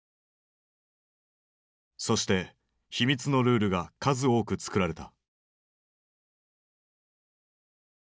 そして秘密のルールが数多く作られた。